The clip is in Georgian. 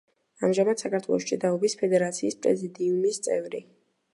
ამჟამად საქართველოს ჭიდაობის ფედერაციის პრეზიდიუმის წევრი.